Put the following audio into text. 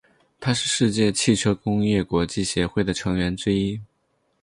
它是世界汽车工业国际协会的成员之一。